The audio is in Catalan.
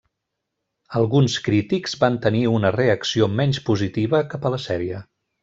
Alguns crítics van tenir una reacció menys positiva cap a la sèrie.